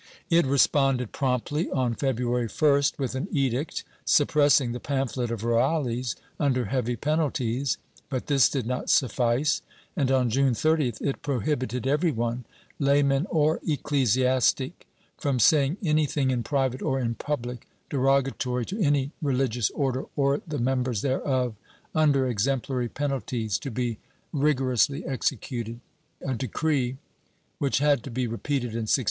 It responded promptly on February 1st with an edict suppressing the pamphlet of Roales under heavy penalties, but this did not suffice and, on June 30th, it prohibited every one, layman or ecclesiastic, from saying any thing in private or in public, derogatory to any religious Order or the members thereof, under exemplary penalties, to be rigor ously executed — a decree which had to be repeated in 1643.